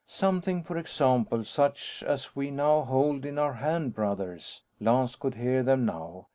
"Something, for example, such as we now hold in our hand, brothers!" Lance could hear them now.